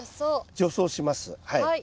除草します。